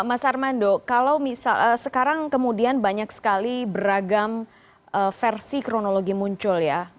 mas armando kalau misalnya sekarang kemudian banyak sekali beragam versi kronologi muncul ya